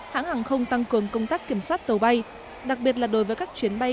hãng hàng không tăng cường công tác kiểm soát tàu bay đặc biệt là đối với các chuyến bay